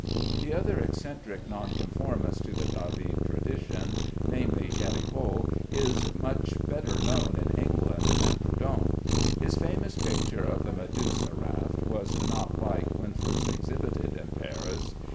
The other eccentric nonconformist to the David tradition, namely, Géricault, is much better known in England than Prudhon. His famous picture of the "Medusa Raft" was not liked when first exhibited in Paris.